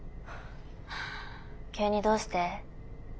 急にどうして？